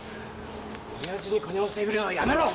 親父に金をせびるのはやめろ！